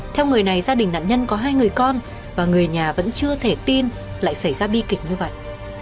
theo người này gia đình nạn nhân có hai người con và người nhà vẫn chưa thể tin lại xảy ra bi kịch như vậy